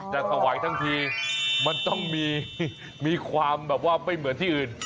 แต่ถวายทั้งทีมันต้องมีความแบบว่าไม่เหมือนที่อื่น